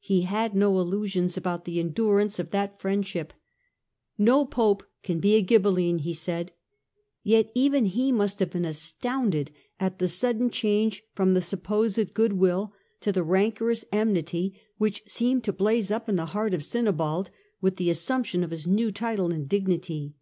He had no illusions about the endurance of that friendship ;" No Pope can be a Ghibelline," he said. Yet even he must have been astounded at the sudden change from supposed good will to the rancorous enmity which seemed to blaze up in the heart of Sinibald with the assumption of his new title and dignity.